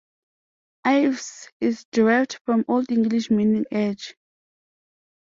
"Eaves" is derived from Old English meaning "edge".